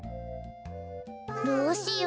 どうしよう。